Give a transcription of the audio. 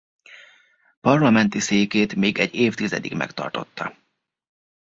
Parlamenti székét még egy évtizedig megtartotta.